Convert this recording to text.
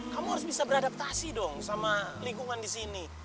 kamu harus bisa beradaptasi dong sama lingkungan di sini